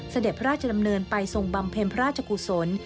เสด็จพระราชดำเนินไปทรงบำเพ็ญพระราชกุศล